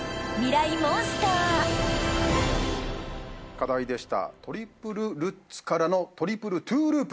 課題でしたトリプルルッツからのトリプルトゥループ。